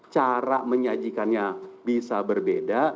cara menyajikannya bisa berbeda